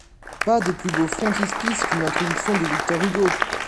Pas de plus beau frontispice qu’une introduction de Victor Hugo !